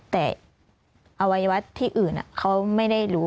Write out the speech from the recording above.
แต่อวัยวะที่อื่นเขาไม่ได้รู้